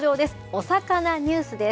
おさかなニュースです。